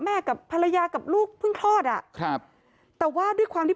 กับภรรยากับลูกเพิ่งคลอดอ่ะครับแต่ว่าด้วยความที่